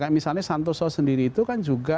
kayak misalnya santoso sendiri itu kan juga